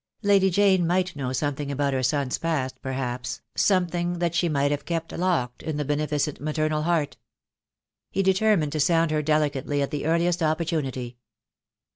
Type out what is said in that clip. Lady Jane might know something about her son's past, perhaps, something that she might have kept locked in the beneficent maternal heart. He determined to sound her delicately at the earliest opportunity.